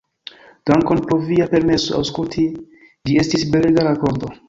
Dankon pro via permeso aŭskulti, ĝi estis belega rakonto.